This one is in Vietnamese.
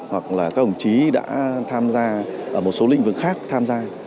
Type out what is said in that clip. hoặc là các đồng chí đã tham gia ở một số lĩnh vực khác tham gia